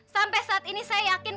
sampai saat ini saya yakin